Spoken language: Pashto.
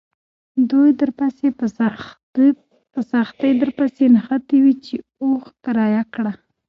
دوی په سختۍ درپسې نښتي وي چې اوښ کرایه کړه.